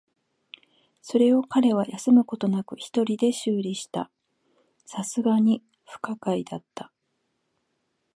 それを彼は休むことなく一人修理した。流石に不可解だった。